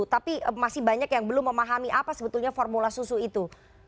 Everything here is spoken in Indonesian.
tapi masih banyak yang belum memahami apa sebetulnya formula susu itu